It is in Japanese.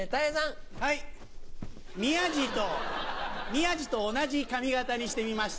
宮治と同じ髪形にしてみました。